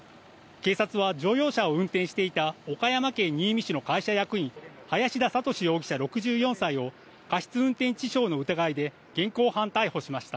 警察は乗用車を運転していた岡山県新見市の会社役員、林田覚容疑者６４歳を、過失運転致傷の疑いで現行犯逮捕しました。